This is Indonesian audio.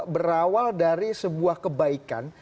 berawal dari sebuah kebaikan